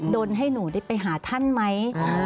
นให้หนูได้ไปหาท่านไหม